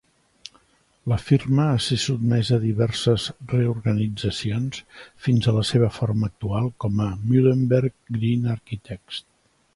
La firma a ser sotmesa a diverses reorganitzacions fins a la seva forma actual com Muhlenberg Greene Architects.